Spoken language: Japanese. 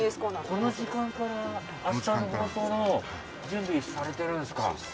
この時間から明日の放送の準備をされているんですか。